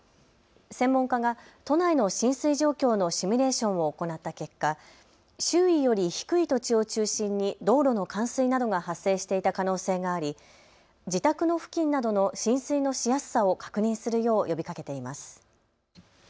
専門家が都内の浸水状況のシミュレーションを行った結果、周囲より低い土地を中心に道路の冠水などが発生していた可能性があり自宅の付近などの浸水のしやすさを確認するよう呼びかけています。